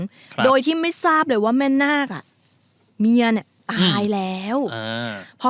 ครับโดยที่ไม่ทราบเลยว่าแม่นาคอ่ะเมียเนี้ยตายแล้วอ่าพอ